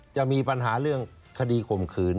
จะมีปัญหาเรื่องคดีข่มขืน